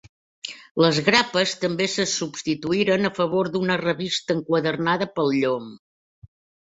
Les grapes també se substituïren a favor d'una revista enquadernada pel llom.